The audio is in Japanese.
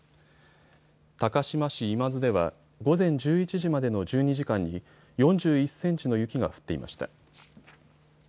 高島市今津では午前１１時までの１２時間に４１センチの雪が降っていました。